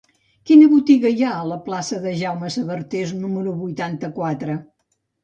Quina botiga hi ha a la plaça de Jaume Sabartés número vuitanta-quatre?